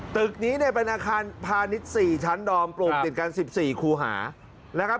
ตึกนี้เนี่ยเป็นอาคารพาณิชย์๔ชั้นดอมปลูกติดกัน๑๔คูหานะครับ